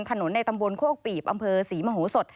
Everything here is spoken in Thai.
ถนนในตำบลโคกปีบอำเภอศรีมโหสด